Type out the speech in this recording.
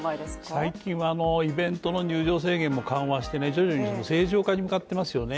最近はイベントの入場制限も緩和してね徐々に正常化に向かってますよね